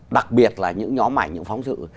đặc biệt là những nhóm ảnh những phóng sự